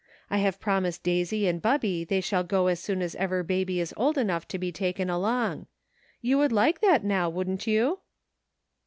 I have promised Daisy and Bubby they shall go as soon as ever Baby is old enough to be taken along. You would like that now, wouldn't you